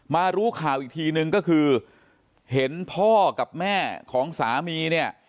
รู้ข่าวอีกทีนึงก็คือเห็นพ่อกับแม่ของสามีเนี่ย